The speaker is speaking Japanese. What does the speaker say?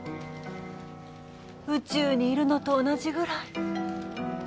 宇宙にいるのと同じぐらい。